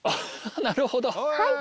なるほど。